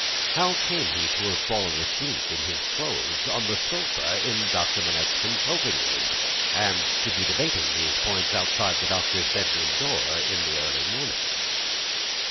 How came he to have fallen asleep, in his clothes, on the sofa in Doctor Manette's consulting room, and to be debating these points outside the Doctor's bedroom door in the early morning?